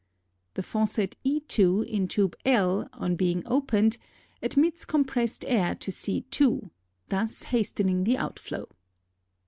The faucet _e_^2 in tube L on being opened admits compressed air to C^2, thus hastening the outflow.